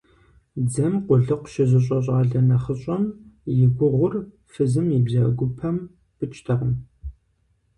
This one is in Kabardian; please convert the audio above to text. Дзэм къулыкъу щызыщӀэ щӀалэ нэхъыщӀэм и гугъур фызым и бзэгупэм пыкӀтэкъым.